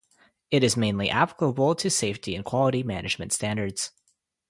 It is mainly applicable to safety and quality management standards.